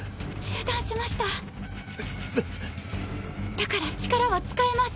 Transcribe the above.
だから力は使えます。